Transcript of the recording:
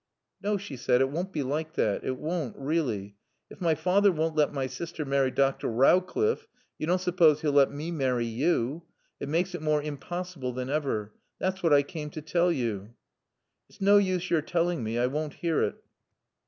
"No," she said. "It won't be like that. It won't, really. If my father won't let my sister marry Dr. Rowcliffe, you don't suppose he'll let me marry you? It makes it more impossible than ever. That's what I came to tell you." "It's naw use yo're tallin' mae. I won't hear it."